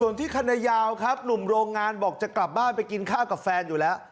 ส่วนที่คณะยาวครับหนุ่มโรงงานบอกจะกลับบ้านไปกินข้าวกับแฟนอยู่แล้ว